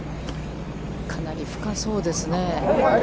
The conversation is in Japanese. かなり深そうですね。